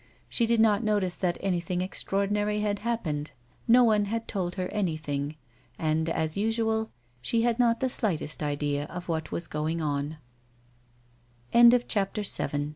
She did not notice that anything extraordinary had happened. No one had told her anything, and, as usual, she had not the slightest idea of what was going o